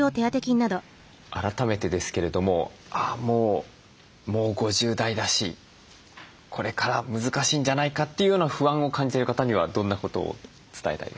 改めてですけれどももう５０代だしこれから難しいんじゃないかというような不安を感じてる方にはどんなことを伝えたいですか？